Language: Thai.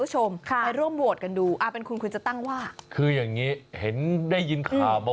หรือว่ามันเป็นฮิปโป